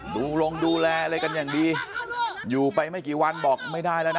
ลงดูแลอะไรกันอย่างดีอยู่ไปไม่กี่วันบอกไม่ได้แล้วนะ